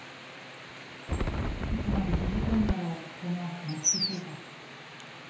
いつまで続くんだろう、このマスク生活。